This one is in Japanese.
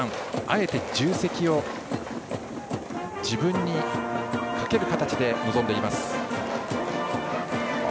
あえて重責を自分にかける形で臨んでいます。